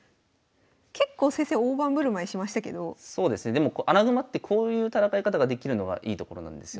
でも穴熊ってこういう戦い方ができるのがいいところなんですよ。